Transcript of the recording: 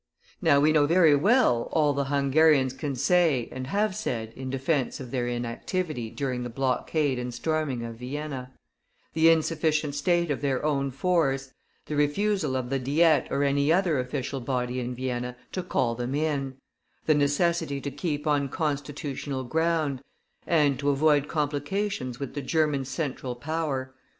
Now, we know very well all the Hungarians can say and have said in defence of their inactivity during the blockade and storming of Vienna: the insufficient state of their own force, the refusal of the Diet or any other official body in Vienna to call them in, the necessity to keep on constitutional ground, and to avoid complications with the German central power.